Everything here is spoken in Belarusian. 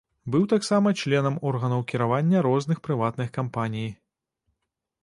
Быў таксама членам органаў кіравання розных прыватных кампаніі.